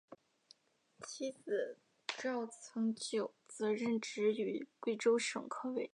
妻子赵曾玖则任职于贵州省科委。